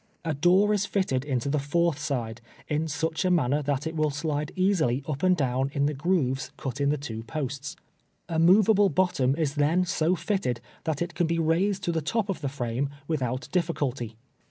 A door i.s fitted into the fourth side, in such manner that it will slide easily up and down in the grooves cut ia the two posts. A movable bottom is then so fitted that it can be raised to the top of the frame without dilficulty.